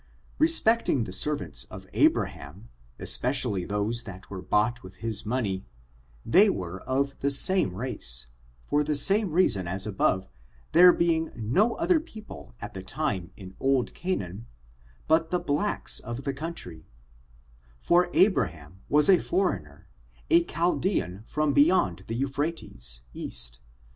Respecting the servants of Abraham, especially those that were bought with his money, they were of the same race; for the same reason as above, there being no other people at the time in old Canaan but the blacks of the country, for Abraham was a for eigner, a Chaldean from beyond the Euphrates, east.